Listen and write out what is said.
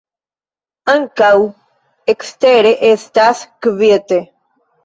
Ankaŭ ekstere estas kviete.